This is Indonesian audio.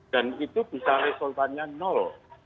dan itu bisa resultannya nol